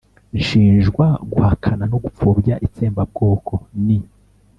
nshinjwa guhakana no gupfobya itsembabwoko. ni